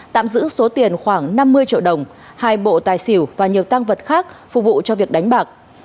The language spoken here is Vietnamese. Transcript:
tạm giữ số tiền khoảng năm mươi triệu đồng hai bộ tài xỉu và nhiều tăng vật khác phục vụ cho việc đánh bạc